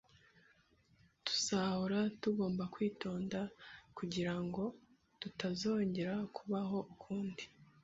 Tuzahora tugomba kwitonda kugirango tutazongera kubaho ukundi